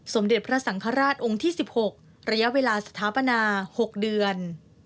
สมเด็จพระสังฆราชองค์ที่๑๖ระยะเวลาสถาปนา๖เดือน